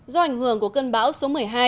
do ảnh hưởng của cơn bão số một mươi hai